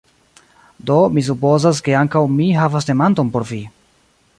Do, mi supozas, ke ankaŭ mi havas demandon por vi!